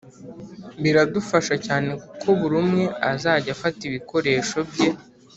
biradufasha cyane kuko buri umwe azajya afata ibikoresho bye